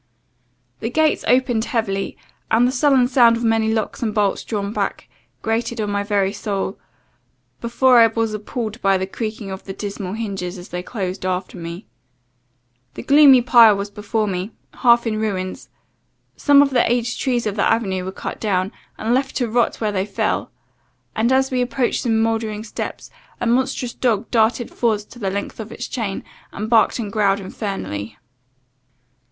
"The gates opened heavily, and the sullen sound of many locks and bolts drawn back, grated on my very soul, before I was appalled by the creeking of the dismal hinges, as they closed after me. The gloomy pile was before me, half in ruins; some of the aged trees of the avenue were cut down, and left to rot where they fell; and as we approached some mouldering steps, a monstrous dog darted forwards to the length of his chain, and barked and growled infernally.